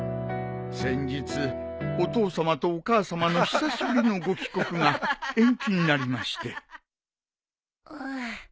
先日お父さまとお母さまの久しぶりのご帰国が延期になりまして。